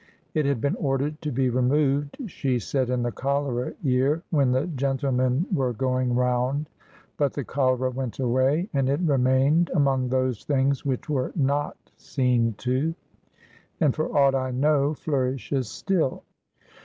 It had been ordered to be removed, she said, in the cholera year when the gentlemen were going round; but the cholera went away, and it remained among those things which were not "seen to," and for aught I know flourishes still.